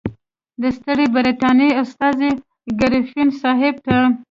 د ستري برټانیې استازي ګریفین صاحب ته.